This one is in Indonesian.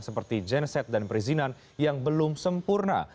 seperti genset dan perizinan yang belum sempurna